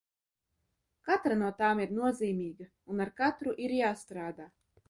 Katra no tām ir nozīmīga, un ar katru ir jāstrādā.